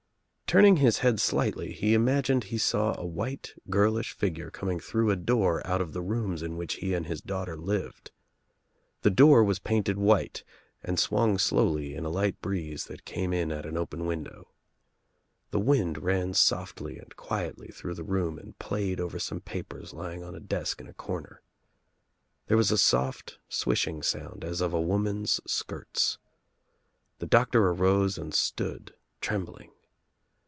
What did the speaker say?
Turning his head slightly he imagined he saw a white girlish figure coming through a door out of the rooms in which he and his daughter lived. The door was painted white and swung slowly in a light breeze that came in at an open window. The wind ran softly and quietly through the room and played over some papers lying on a desk in a corner. There was a soft swishing sound as of a woman's skirts. The doctor arose and stood trembling.